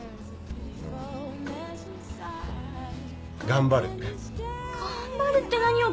頑張るって何よ？